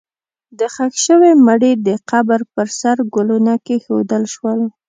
د ښخ شوي مړي د قبر پر سر ګلونه کېښودل شول.